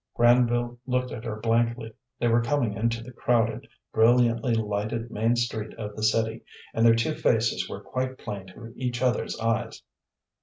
Granville looked at her blankly. They were coming into the crowded, brilliantly lighted main street of the city, and their two faces were quite plain to each other's eyes.